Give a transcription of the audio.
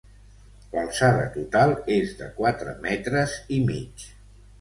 L’alçada total és de quatre metres i mig.